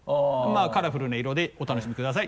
カラフルな色でお楽しみください